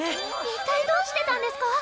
一体どうしてたんですか？